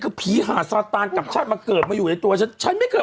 คือผีหาดซาตานกลับชาติมาเกิดมาอยู่ในตัวฉันฉันไม่เคย